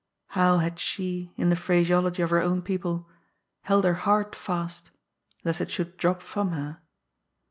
How had she, in the phraseology of her own people, " held her heart fast," lest it should drop from her!